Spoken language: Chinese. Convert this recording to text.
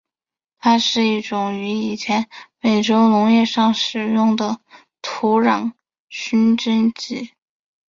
它是一种于以前美洲农业上使用的土壤熏蒸剂。